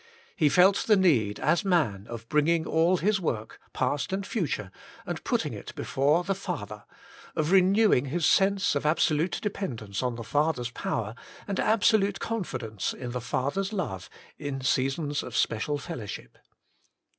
He felt the need as man of bringing all His work, past and future, and putting it before the Father, of renewing His sense of absolute dependence on the Father's power, and absolute confidence in the Father^s love, in seasons of special fellowship.